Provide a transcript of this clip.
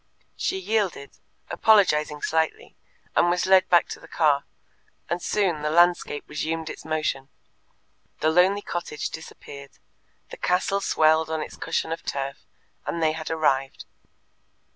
She yielded, apologizing slightly, and was led back to the car, and soon the landscape resumed its motion, the lonely cottage disappeared, the castle swelled on its cushion of turf, and they had arrived.